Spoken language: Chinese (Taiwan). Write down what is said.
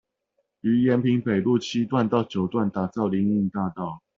於延平北路七段到九段打造林蔭大道